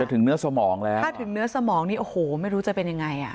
ถึงเนื้อสมองแล้วถ้าถึงเนื้อสมองนี่โอ้โหไม่รู้จะเป็นยังไงอ่ะ